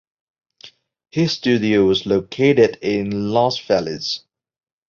His studio was located in Los Feliz.